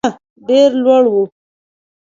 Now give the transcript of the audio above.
ډېر لوړ وو.